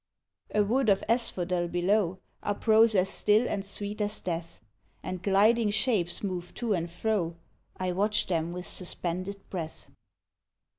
A wood of asphodel below Uprose as still and sweet as death, And gliding shapes moved to and fro, I watched them with suspended breath.